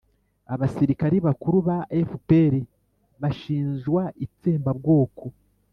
abasirikari bakuru ba fpr bashinjwa itsembabwoko